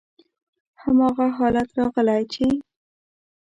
هماغه حالت راغلی چې: